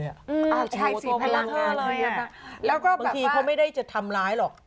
อืมใช่สิพลังงานเยอะมากแล้วก็แบบว่าบางทีเขาไม่ได้จะทำร้ายหรอก